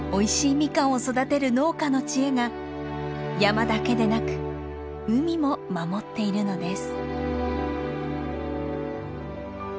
ミカンを育てる農家の知恵が山だけでなく海も守っているのです。